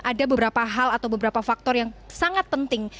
ada beberapa hal atau beberapa faktor yang sangat penting